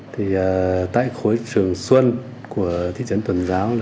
thì tại khối trường xuân của thị trấn tuần giáo